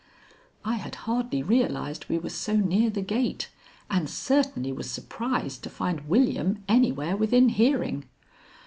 I had hardly realized we were so near the gate and certainly was surprised to find William anywhere within hearing.